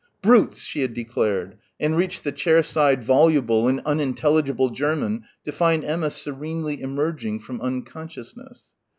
"Brutes!" she had declared and reached the chair side voluble in unintelligible German to find Emma serenely emerging from unconsciousness.